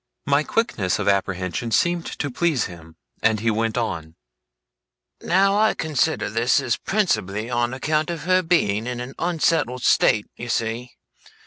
My quickness of apprehension seemed to please him, and he went on: 'Now I consider this is principally on account of her being in an unsettled state, you see.